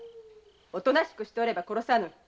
おとなしくしておれば殺さぬ。